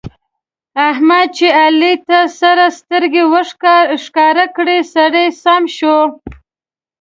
احمد چې علي ته سره سترګه ورښکاره کړه؛ سړی سم شو.